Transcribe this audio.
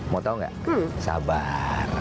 mau tahu nggak sabar